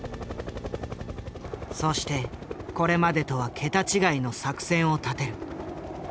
そしてこれまでとは桁違いの作戦を立てる。